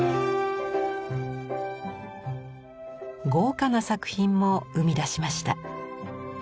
豪華な作品も生み出しました。